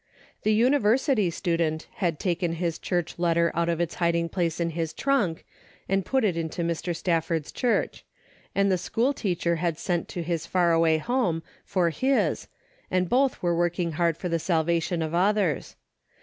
The University student had taken his church letter out of its hiding place in his trunk and put it into Mr. Staf ford's church, and the school teacher had sent to his far away home for his and both were working hard for the salvation of others.